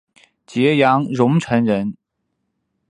揭阳榕城人。